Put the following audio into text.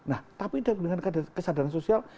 nah tapi dengan kesadaran sosial